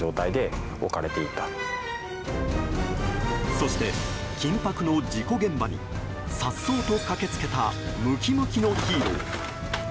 そして、緊迫の事故現場に颯爽と駆け付けたムキムキのヒーロー。